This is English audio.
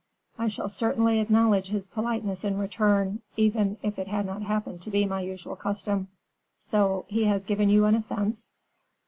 I shall certainly acknowledge his politeness in return, even if it had not happened to be my usual custom. So, he has given you an offense?"